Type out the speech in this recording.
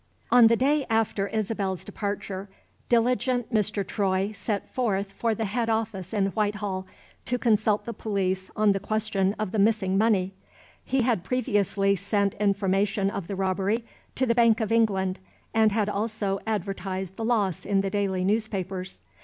ON the day after Isabel's departure, diligent Mr. Troy set forth for the Head Office in Whitehall to consult the police on the question of the missing money. He had previously sent information of the robbery to the Bank of England, and had also advertised the loss in the daily newspapers.